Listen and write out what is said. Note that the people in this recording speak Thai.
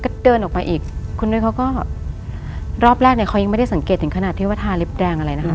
ก็เดินออกไปอีกคุณนุ้ยเขาก็รอบแรกเนี่ยเขายังไม่ได้สังเกตถึงขนาดที่ว่าทาเล็บแดงอะไรนะคะ